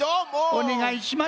おねがいします。